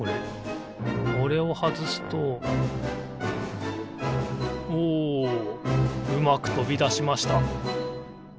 これをはずすとおおうまくとびだしました。